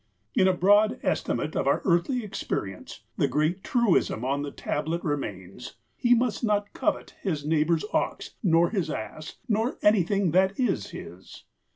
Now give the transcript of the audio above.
In a broad estimate of our earthly experience, the great truism on the tablet remains: he must not covet his neighbour's ox nor his ass nor anything that is his.